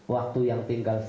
waktu yang tinggal